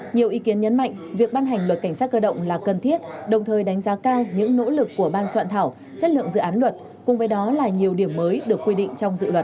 nhiều ý kiến nhấn mạnh việc ban hành luật cảnh sát cơ động là cần thiết đồng thời đánh giá cao những nỗ lực của ban soạn thảo chất lượng dự án luật cùng với đó là nhiều điểm mới được quy định trong dự luật